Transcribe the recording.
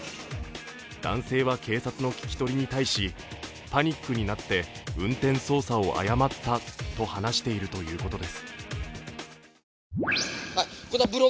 男性は、警察の聞き取りに対し、パニックになって運転操作を誤ったと話しているということです。